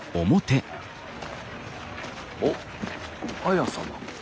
おっ綾様。